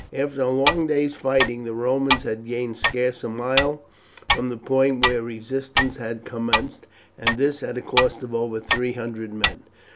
After a long day's fighting the Romans had gained scarce a mile from the point where resistance had commenced, and this at a cost of over three hundred men.